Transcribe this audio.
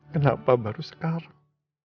kenapa baru sekarang